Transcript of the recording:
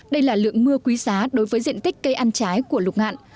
đây là lượng mưa quý giá đối với diện tích cây ăn trái của lục ngạn